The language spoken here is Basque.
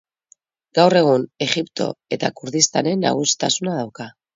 Gaur egun, Egipto eta Kurdistanen nagusitasuna dauka.